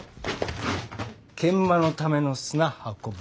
研磨のための砂運ぶ。